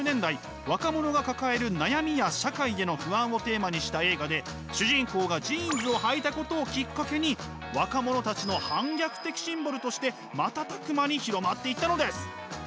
若者が抱える「悩み」や「社会への不安」をテーマにした映画で主人公がジーンズをはいたことをきっかけに若者たちの反逆的シンボルとして瞬く間に広まっていったのです。